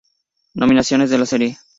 Nominaciones de la Serie.